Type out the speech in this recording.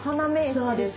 そうです。